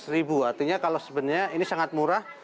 seratus ribu artinya kalau sebenarnya ini sangat murah